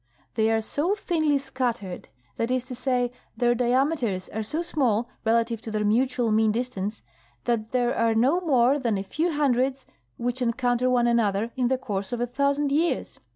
They are so thinly scattered—that is to say, their diameters are so small relative to their mutual mean distance—that there are no more than a few hundreds which encounter one another in the course of a thousand years.